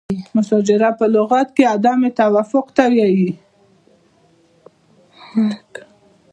مشاجره په لغت کې عدم توافق ته وایي.